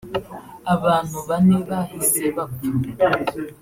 Abantu bane bahise bapfa